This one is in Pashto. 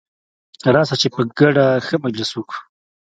راسه چي په ګډه ښه مجلس وکو.